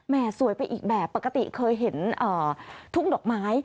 สวยไปอีกแบบปกติเคยเห็นทุ่งดอกไม้